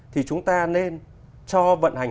thì chúng ta nên cho vận hành